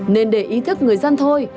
nên để ý thức người dân thôi